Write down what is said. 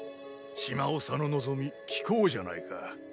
島長の望み聞こうじゃないか。